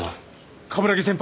冠城先輩！